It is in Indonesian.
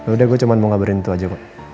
udah gue cuma mau ngabarin itu aja kok